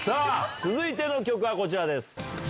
さあ、続いての曲はこちらです。